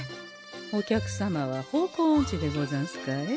お客様は方向おんちでござんすかえ？